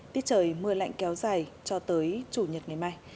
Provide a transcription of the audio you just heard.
tiết trời mưa lạnh kéo dài cho tới chủ nhật ngày mai